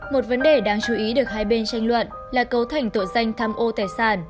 một vấn đề đáng chú ý được hai bên tranh luận là cấu thành tội danh tham ô tài sản